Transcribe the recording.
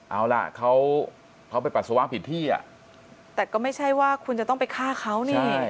เอาล่ะเขาไปปัสสาวะผิดที่อ่ะแต่ก็ไม่ใช่ว่าคุณจะต้องไปฆ่าเขานี่